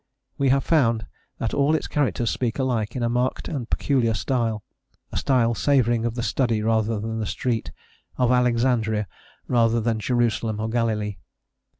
We have found that all its characters speak alike in a marked and peculiar style a style savouring of the study rather than the street, of Alexandria rather than Jerusalem or Galilee.